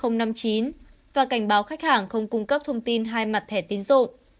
và cảnh báo khách hàng không cung cấp thông tin hai mặt thẻ tiến dụng